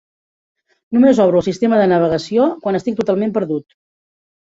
Només obro el sistema de navegació quan estic totalment perdut.